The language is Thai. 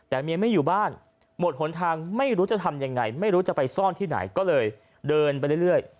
แต่เมียไม่อยู่บ้านหมดหนทางไม่รู้จะทำยังไงไม่รู้จะไปซ่อนที่ไหนก็เลยเดินไปเรื่อย